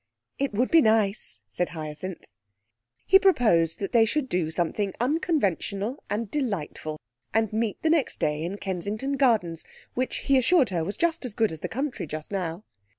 'It would be nice,' said Hyacinth. He proposed that they should do something unconventional and delightful, and meet the next day in Kensington Gardens, which he assured her was just as good as the country just now.